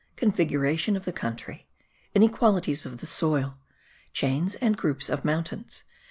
Configuration of the Country. Inequalities of the Soil. Chains and Groups of Mountains.